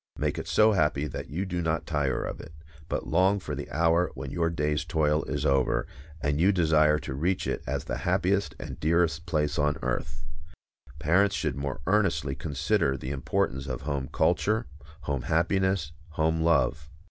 Make it so happy that you do not tire of it, but long for the hour when your day's toil is over, and you desire to reach it as the happiest and dearest place on earth. Parents should more earnestly consider the importance of home culture, home happiness, home love.